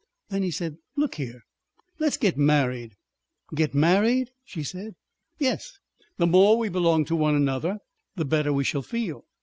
Then he said: "Look here: let's get married." "Get married?" she said. "Yes. The more we belong to one another the better we shall feel."